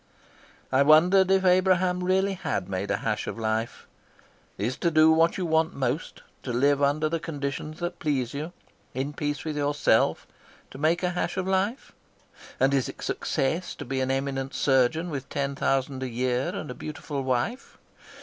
I wondered if Abraham really had made a hash of life. Is to do what you most want, to live under the conditions that please you, in peace with yourself, to make a hash of life; and is it success to be an eminent surgeon with ten thousand a year and a beautiful wife?